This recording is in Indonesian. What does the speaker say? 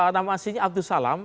nama aslinya abdus salam